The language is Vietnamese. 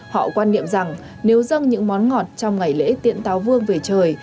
họ quan niệm rằng nếu dâng những món ngọt trong ngày lễ tiễn táo vương về trời